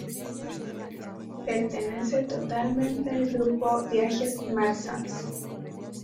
Pertenece totalmente al grupo Viajes Marsans.